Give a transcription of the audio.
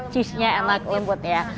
cheese nya enak lembut ya